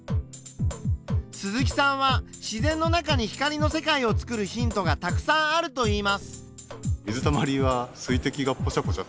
鈴木さんは自然の中に光の世界をつくるヒントがたくさんあるといいます。